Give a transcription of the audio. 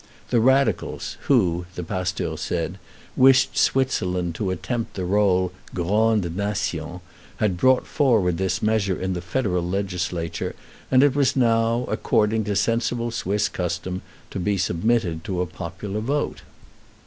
The radicals, who, the pasteur said, wished Switzerland to attempt the role "grande nation," had brought forward this measure in the Federal legislature, and it was now, according to the sensible Swiss custom, to be submitted to a popular vote.